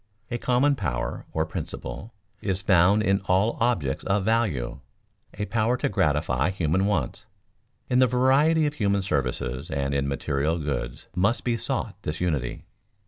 A common power, or principle, is found in all objects of value, a power to gratify human wants. In the variety of human services and in material goods must be sought this unity.